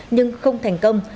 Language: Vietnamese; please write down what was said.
nhưng không thành công